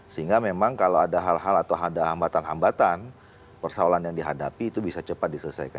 sehingga memang kalau ada hal hal atau ada hambatan hambatan persoalan yang dihadapi itu bisa cepat diselesaikan